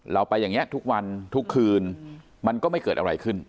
เราไปอย่างนี้ทุกวันทุกคืนมันก็ไม่เกิดอะไรขึ้น